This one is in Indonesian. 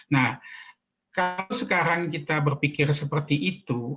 nah kalau sekarang kita berpikir seperti itu